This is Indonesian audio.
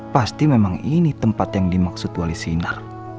pasti memang ini tempat yang dimaksud wali sinar